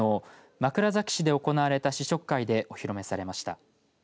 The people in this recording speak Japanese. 枕崎市で行われた試食会でお披露目されました。